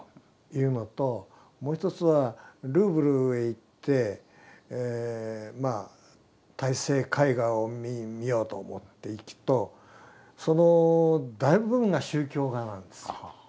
もう一つはルーブルへ行ってまあ絵画を見ようと思って行くとその大部分が宗教画なんです。